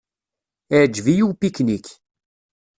Iɛǧeb-iyi upiknik.